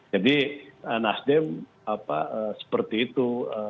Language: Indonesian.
jadi nasdem seperti itu